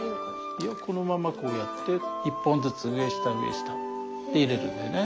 いやこのままこうやって１本ずつ上下上下で入れるんだよね。